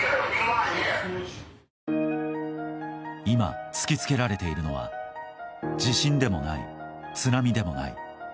今、突き付けられているのは地震でもない津波でもない